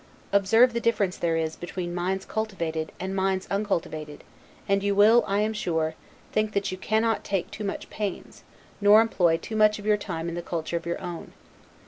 Observe the difference there is between minds cultivated, and minds uncultivated, and you will, I am sure, think that you cannot take too much pains, nor employ too much of your time in the culture of your own.